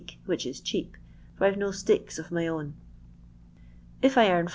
k, whieh is cheap, for I 'ye no sticks of my If I earn U.